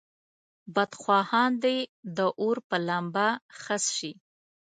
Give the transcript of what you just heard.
بدخواهان دې د اور په لمبه خس شي.